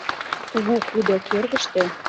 Кугу кудо кӧргыштӧ